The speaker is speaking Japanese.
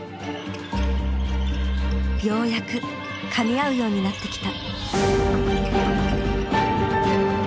ようやくかみ合うようになってきた。